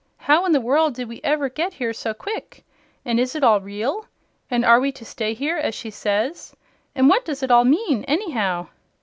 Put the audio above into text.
How in the world did we ever get here so quick? And is it all real? And are we to stay here, as she says? And what does it all mean, anyhow?"